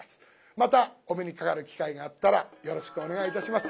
またお目にかかる機会があったらよろしくお願いいたします。